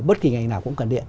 bất kỳ ngành nào cũng cần điện